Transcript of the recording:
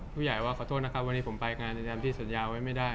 ผู้ใหญ่ว่าขอโทษนะครับวันนี้ผมไปงานตามที่สัญญาไว้ไม่ได้